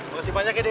makasih banyak ya dek